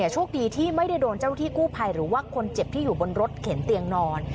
โชคดีที่ไม่ได้โดนเจ้าหน้าที่กู้ภัยหรือว่าคนเจ็บที่อยู่บนรถเข็นเตียงนอน